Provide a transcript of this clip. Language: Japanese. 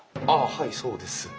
あはいそうです。